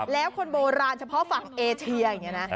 แล้วคนโบราณเฉพาะฝั่งเอเชียอย่างนี้นะ